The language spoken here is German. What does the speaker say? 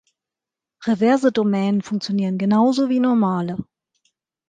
Reverse Domänen funktionieren genauso wie normale.